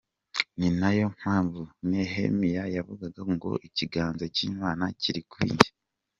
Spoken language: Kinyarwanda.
"Ni nayo mpamvu Nehemiya yavugaga ngo ikiganza cy’Imana kiri kuri jye.